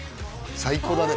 最高だね